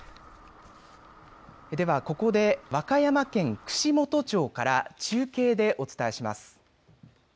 では、ここで和歌山県串本町から中継でお伝えします。